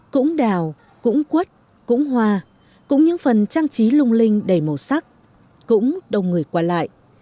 cũng đào cũng quất cũng hoa cũng những phần trang trí lung linh đầy màu sắc cũng đông người qua lại